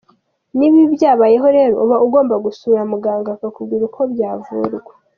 Niba ibi byabayeho rero uba ugomba gusura muganga akakubwira uko byavurwa.